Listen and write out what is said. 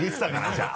じゃあ。